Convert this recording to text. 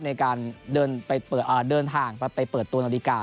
ในการเดินทางไปเปิดตัวนาฬิกา